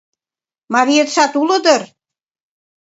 Мариетшат уло дыр?